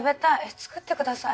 作ってください。